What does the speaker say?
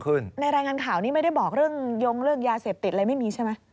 ในรายงานข่าวนี้ไม่ได้บอกเรื่องยงเรื่องยาเสพติดอะไรไม่มีใช่ไหม